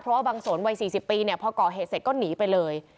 เพราะว่าบางสนวัย๔๐ปีพอก่อเหตุเสร็จก็หนีไปเลย